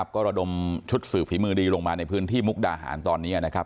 ก็ระดมชุดสืบฝีมือดีลงมาในพื้นที่มุกดาหารตอนนี้นะครับ